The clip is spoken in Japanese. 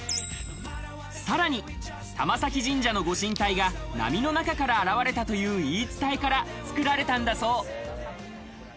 さらに玉前神社の御神体が波の中から現れたという言い伝えから、作られたんだそう。